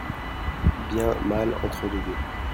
Bien/ mal/ entre les deux.